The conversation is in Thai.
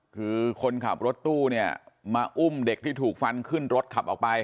คือคนขับรถตู้เนี่ยมาอุ้มเด็กที่ถูกฟันขึ้นรถขับออกไป